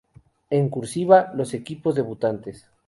En "cursiva" los equipos debutantes